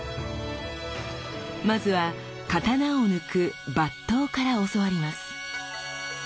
まずは刀を抜く「抜刀」から教わります。